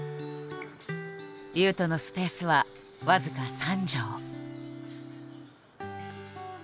雄斗のスペースは僅か３畳。